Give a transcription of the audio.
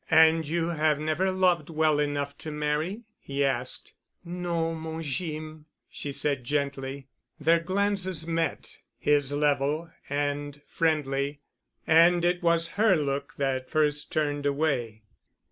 "And you have never loved well enough to marry?" he asked. "No, mon Jeem," she said gently. Their glances met, his level and friendly. And it was her look that first turned away.